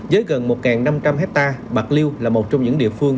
với gần một năm trăm linh hectare bạc liêu là một trong những địa phương